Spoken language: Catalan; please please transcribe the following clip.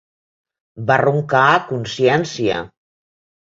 Va roncar a consciència.